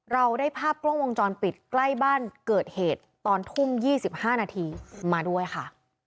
เราได้ภาพกล้องวงจรปิดใกล้บ้านเกิดเหตุตอนทุ่ม๒๕นาทีมาด้วยค่ะ